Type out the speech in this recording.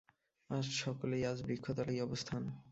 আর সকলের আজ বৃক্ষতলেই অবস্থান।